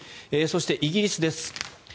そしてイギリスです。